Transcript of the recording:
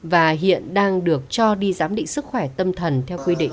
và hiện đang được cho đi giám định sức khỏe tâm thần theo quy định